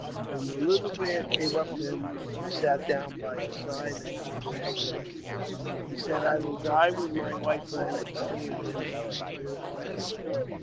When the Little Bear came up to him, he sat down by his side and refused to leave him. He said, " I will die with my white friend, and go with him to the spirit land."